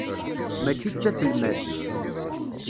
Mačči d taselmadt.